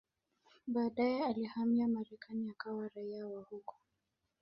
Baadaye alihamia Marekani akawa raia wa huko.